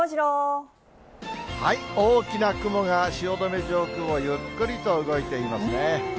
大きな雲が汐留上空をゆっくりと動いていますね。